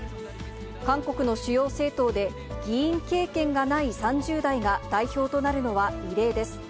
韓国の主要政党で、議員経験がない３０代が代表となるのは異例です。